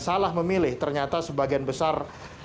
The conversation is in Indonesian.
salah memilih ternyata sebagian besar